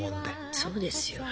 そうですよ。